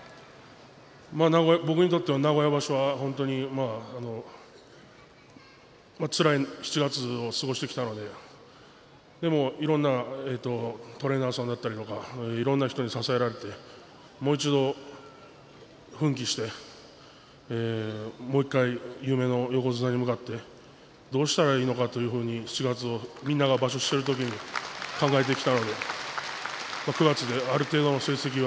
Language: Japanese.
僕にとって名古屋場所はつらい７月を過ごしてきたのででもいろんなトレーナーさんだったりいろんな人に支えられてもう一度奮起してもう１回、夢の横綱に向かってどうしたらいいのかと七月場所をみんながしている時に考えていました。